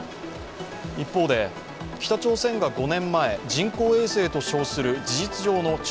一方で、北朝鮮が５年前人工衛星と称する事実上長